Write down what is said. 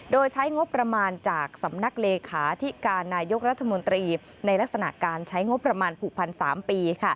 โดยใช้งบประมาณจากสำนักเลขาธิการนายกรัฐมนตรีในลักษณะการใช้งบประมาณผูกพัน๓ปี